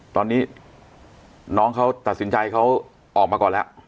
ตอนนี้น้องเขาตัดสินใจเขาออกมาก่อนแล้ว